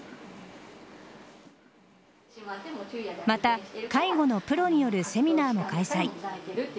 また、介護のプロによるセミナーも開催。